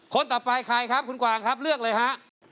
คนต่อไปใครครับคุณกวางครับเลือกเลยฮะ